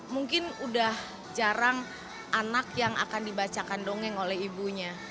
mungkin udah jarang anak yang akan dibacakan dongeng oleh ibunya